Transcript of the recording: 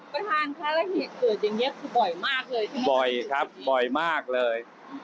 ประธานฆ่าละหิตเกิดอย่างเงี้ยคือบ่อยมากเลยบ่อยครับบ่อยมากเลย